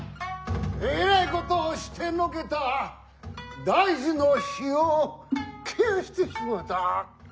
えらいことをしてのけた大事の火をけやしてしもうた。